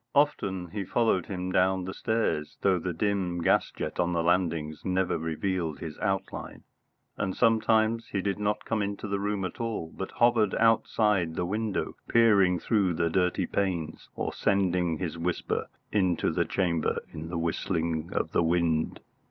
Often he followed him down the stairs, though the dim gas jet on the landings never revealed his outline; and sometimes he did not come into the room at all, but hovered outside the window, peering through the dirty panes, or sending his whisper into the chamber in the whistling of the wind.